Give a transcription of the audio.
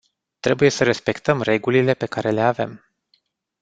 Trebuie să respectăm regulile pe care le avem.